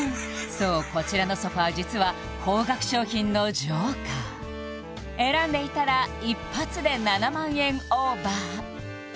そうこちらのソファ実は高額商品のＪＯＫＥＲ選んでいたら一発で７万円オーバー